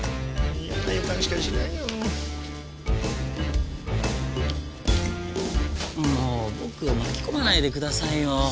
もう僕を巻き込まないでくださいよ。